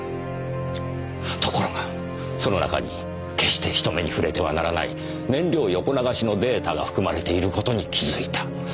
ところがその中に決して人目に触れてはならない燃料横流しのデータが含まれている事に気づいた。